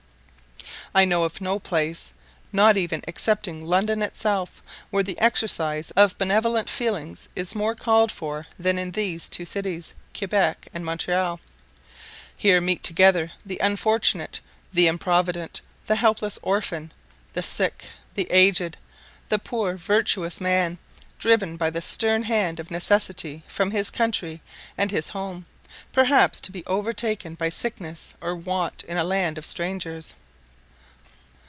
I know of no place, not even excepting London itself, where the exercise of benevolent feelings is more called for than in these two cities, Quebec and Montreal. Here meet together the unfortunate, the improvident, the helpless orphan, the sick, the aged, the poor virtuous man, driven by the stern hand of necessity from his country and his home, perhaps to be overtaken by sickness or want in a land of strangers.